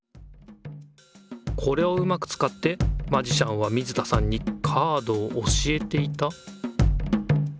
これをうまくつかってマジシャンは水田さんにカードを教えていた？